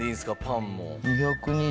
パンも。